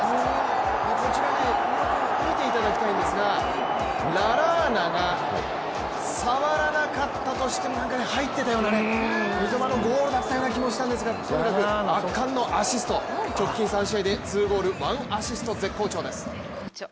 こちら見ていただきたいんですがララーナが触らなかったとしても入っていたような、三笘のゴールだったような気がしたんですがとにかく、圧巻のアシスト直近の３試合で２ゴール１アシスト、絶好調です。